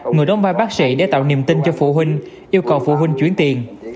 người đóng vai bác sĩ để tạo niềm tin cho phụ huynh yêu cầu phụ huynh chuyển tiền